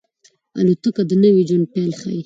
الوتکه د نوي ژوند پیل ښيي.